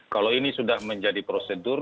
kalau ini sudah menjadi prosedur